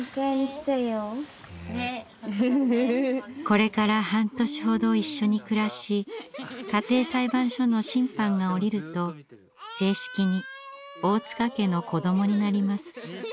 これから半年ほど一緒に暮らし家庭裁判所の審判が下りると正式に大塚家の子どもになります。